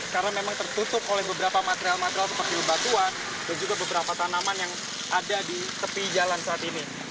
karena memang tertutup oleh beberapa material material seperti batuan dan juga beberapa tanaman yang ada di tepi jalan saat ini